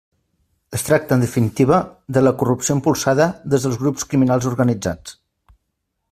Es tracta, en definitiva, de la corrupció impulsada des dels grups criminals organitzats.